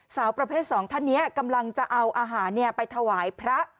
สาวประเภทสองท่านนี้กำลังจะเอาอาหารไปถวายพระ